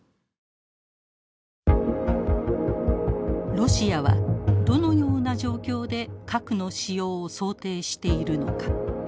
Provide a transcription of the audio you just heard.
ロシアはどのような状況で核の使用を想定しているのか。